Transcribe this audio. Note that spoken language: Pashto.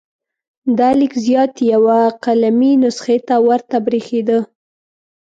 دا لیک زیات یوه قلمي نسخه ته ورته بریښېده.